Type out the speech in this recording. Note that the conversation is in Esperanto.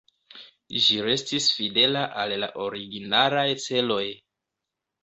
Ĝi restis fidela al la originalaj celoj.